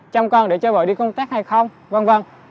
chăm con để cho vợ đi công tác hay không v v